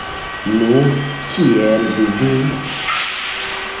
Nu, kiel vi vivis?